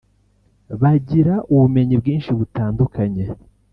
bagira ubumenyi bwinshi butandukanye